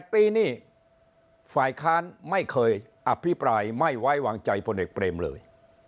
๘ปีนี่ฝ่ายค้านไม่เคยอภิปรายไม่ไว้วางใจพลเอกเปรมเลย